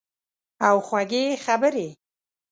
او خوږې خبرې